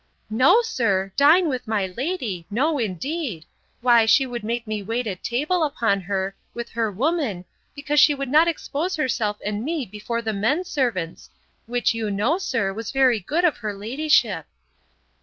No, sir, dine with my lady! no, indeed! Why, she would make me wait at table upon her, with her woman, because she would not expose herself and me before the men servants; which you know, sir, was very good of her ladyship.